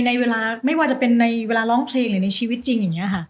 ในเวลาไม่ว่าจะเป็นในเวลาร้องเพลงหรือในชีวิตจริงอย่างนี้ค่ะ